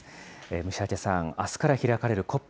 虫明さん、あすから開かれるＣＯＰ